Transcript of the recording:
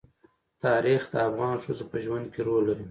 تاریخ د افغان ښځو په ژوند کې رول لري.